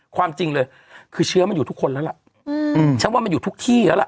ความจริงเลยคือเชื้อมันอยู่ทุกคนแล้วล่ะฉันว่ามันอยู่ทุกที่แล้วล่ะ